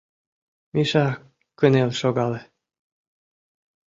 Миша кынел шогале.